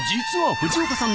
藤岡さん！